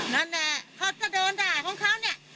นั่นแหละเขาจะเดินด่าของเขาเนี่ย